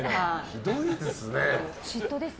ひどいですね。